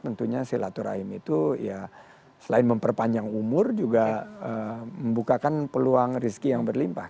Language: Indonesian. tentunya silaturahim itu ya selain memperpanjang umur juga membukakan peluang rezeki yang berlimpah